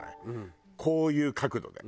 こういう角度で。